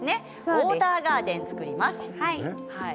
ウォーターガーデンを作ります。